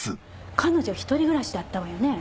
彼女一人暮らしだったわよね？